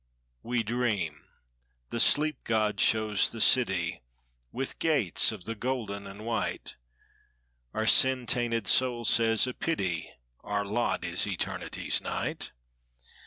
m ^^ Mu ^^^ We dream—the sleep god shows the city With gates of the golden and white; Our sin tainted soul says, "A pity Our lot is eternity's night."